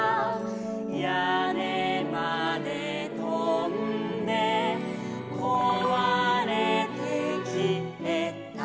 「屋根までとんでこわれてきえた」